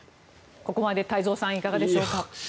ここまで太蔵さんいかがでしょうか。